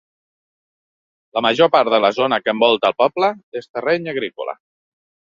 La major part de la zona que envolta el poble és terreny agrícola.